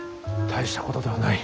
大したことではない。